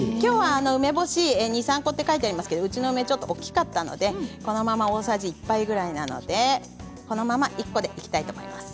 梅干しは２、３個と書いてありますがうちの梅は大きかったのでこのまま大さじ１杯ぐらいなのでこのまま１個でいきたいと思います。